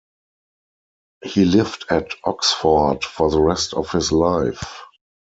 He lived at Oxford for the rest of his life.